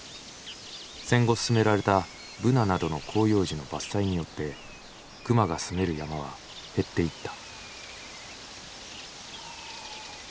戦後進められたブナなどの広葉樹の伐採によって熊が住める山は減っていった。